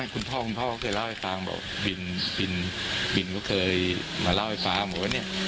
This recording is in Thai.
คุณพ่อคุณพ่อก็เคยเล่าให้ฟังบอกบินบินก็เคยมาเล่าให้ฟังบอกว่าเนี่ย